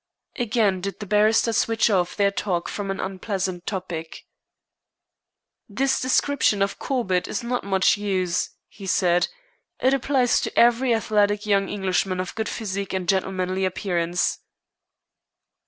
Again did the barrister switch off their talk from an unpleasant topic. "This description of Corbett is not much use," he said. "It applies to every athletic young Englishman of good physique and gentlemanly appearance."